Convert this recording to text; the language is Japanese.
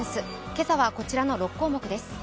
今朝はこちらの６項目です。